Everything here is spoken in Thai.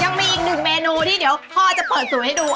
ยังมีอีกหนึ่งเมนูที่เดี๋ยวพ่อจะเปิดสูตรให้ดู